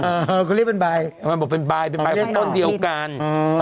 อ่าก็เรียกเป็นใบมันบอกเป็นใบเป็นใบของต้นเดียวกันอ่า